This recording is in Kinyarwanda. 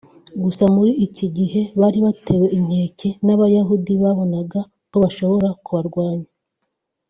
gusa muri iki gihe bari batewe inkeke n’abayahudi babonaga ko bashobora kubarwanya